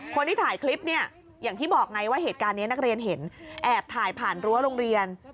คนที่ถ่ายคลิปเนี่ยอย่างที่บอกไงว่าเหตุการณ์นี้นักเรียนเห็นแอบถ่ายผ่านรั้วโรงเรียน